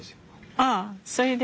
ああそれで？